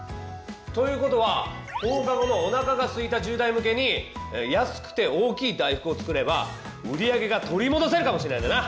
ということは放課後のおなかがすいた１０代向けに「安くて大きい大福」を作れば売り上げが取りもどせるかもしれないんだな！